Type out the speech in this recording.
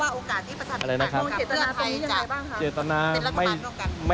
ว่าโอกาสที่ประสัตว์ติดตามตรงเศรษฐนาที่ยังไงบ้างครับ